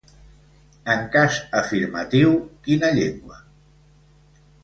En cas afirmatiu, quina llengua?